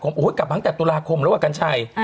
กลับมาตั้งแต่ตุลาคมแล้วกันชัย